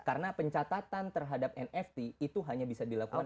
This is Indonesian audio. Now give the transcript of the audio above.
karena pencatatan terhadap nft itu hanya bisa dilakukan satu kali